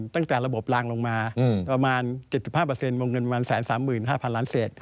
ตั้งแต่ระบบลางลงมาประมาณ๗๕วงเงินประมาณ๑๓๕๐๐ล้านเศษ